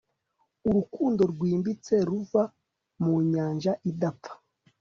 urukundo rwimbitse ruva mu nyanja idapfa